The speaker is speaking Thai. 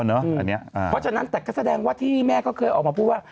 เพราะฉะนั้นแต่ก็แสดงว่าที่แม่ก็เคยออกมาพูดว่า